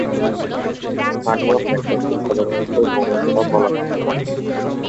স্থানীয় ফ্যাক্টরকে সাধারণত গোমস্তা বলা হতো।